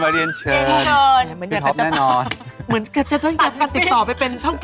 เรียนเรียนเชิญ